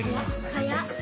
はやっ。